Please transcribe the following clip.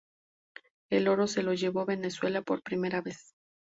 El oro se lo llevó Venezuela por primera vez.